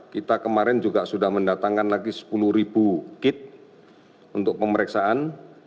kita kemarin juga sudah mendatangkan lagi sepuluh ribu kit untuk pemeriksaan